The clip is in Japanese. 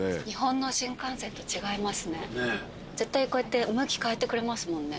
絶対こうやって向き変えてくれますもんね。